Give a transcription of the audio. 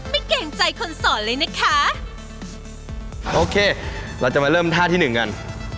เกรงใจคนสอนเลยนะคะโอเคเราจะมาเริ่มท่าที่หนึ่งกัน